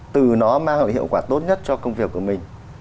từ nó mang hợp hiệu quả tốt nhất cho công việc của mình